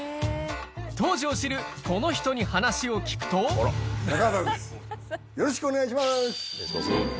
当時を知るこの人に話を聞くとお願いします。